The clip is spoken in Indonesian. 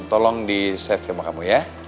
tolong di set sama kamu ya